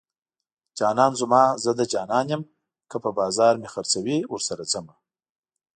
جانان زما زه د جانان یم که په بازار مې خرڅوي ورسره ځمه